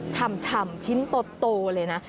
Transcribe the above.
ฉ่ำชิ้นโตเลยนะ